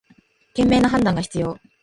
賢明な判断が必要